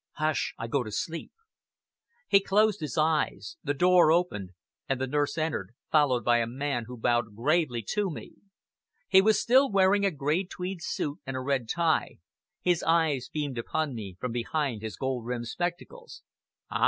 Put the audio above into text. Hush! I go to sleep!" He closed his eyes. The door opened, and the nurse entered, followed by a man who bowed gravely to me. He was still wearing a grey tweed suit and a red tie; his eyes beamed upon me from behind his gold rimmed spectacles. "Ah!"